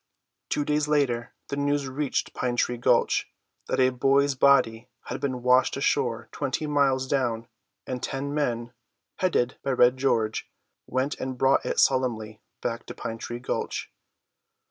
Two days later the news reached Pine tree Gulch that a boy's body had been washed ashore twenty miles down, and ten men, headed by Red George, went and brought it solemnly back to Pine tree Gulch.